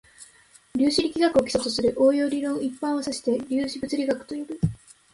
量子力学を基礎とする応用理論一般を指して量子物理学と呼ぶ